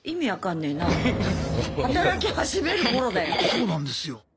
そうなんですよ。